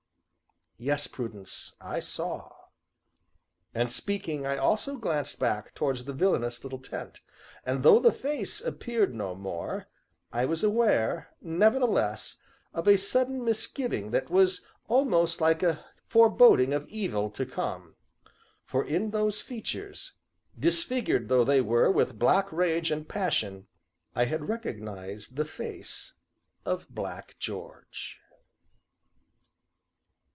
"Yes, Prudence, I saw." And, speaking, I also glanced back towards the villainous little tent, and though the face appeared no more, I was aware, nevertheless, of a sudden misgiving that was almost like a foreboding of evil to come; for in those features, disfigured though they were with black rage and passion, I had recognized the face of Black George.